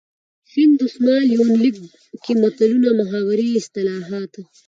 شین دسمال یونلیک کې متلونه ،محاورې، اصطلاحات .